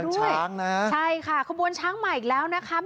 ใช่ค่ะบนช้างมาอีกแล้วนะครับ